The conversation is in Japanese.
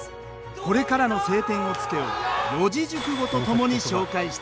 これからの「青天を衝け」を四字熟語と共に紹介していきます。